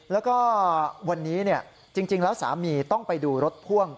แล้วก็วันนี้จริงแล้วสามีต้องไปดูรถพ่วง